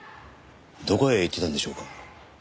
どこへ行ってたんでしょうか？